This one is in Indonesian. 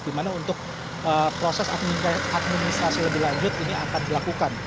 di mana untuk proses administrasi lebih lanjut ini akan dilakukan